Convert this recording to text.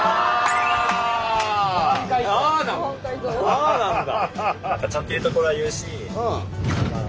ああなんだ。